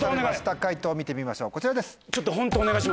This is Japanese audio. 解答見てみましょうこちらです！